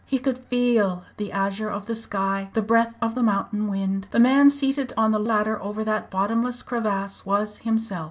He could feel the azure of the sky, the breath of the mountain wind. The man seated on the ladder over that bottomless crevasse was himself.